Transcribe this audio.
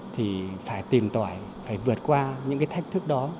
thì phải tìm tỏi phải vượt qua những cái thách thức đó